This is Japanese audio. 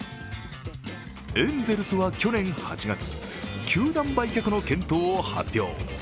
エンゼルスは去年８月、球団売却の検討を発表。